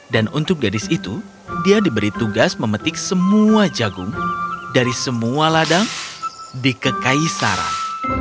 dan untuk gadis itu dia diberi tugas memetik semua jagung dari semua ladang di kekaisaran